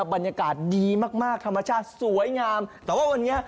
บรรยากาศดีมากธรรมชาติสวยงามแต่ว่าวันนี้